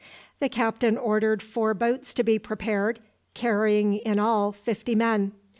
The captain ordered four boats to be prepared, carrying in all fifty men.